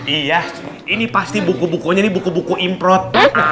iya ini pasti buku bukunya ini buku buku improt